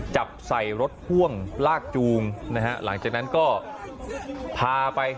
จับใส่รถพ่วงลากจูงนะฮะหลังจากนั้นก็พาไป